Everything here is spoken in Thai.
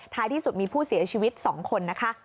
ท้ายที่สุดมีผู้เสียชีวิตสองคนนะคะ